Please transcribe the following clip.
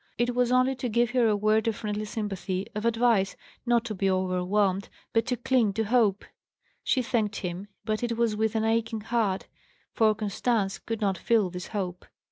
It was only to give her a word of friendly sympathy, of advice not to be overwhelmed, but to cling to hope. She thanked him, but it was with an aching heart, for Constance could not feel this hope.